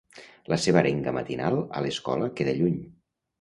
La seva arenga matinal a l'escola queda lluny.